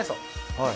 はい。